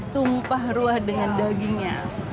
tumpah ruah dengan dagingnya